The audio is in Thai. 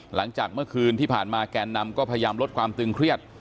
หลังจากเมื่อคืนที่ผ่านมาแกนนำก็พยายามลดความตึงเครียด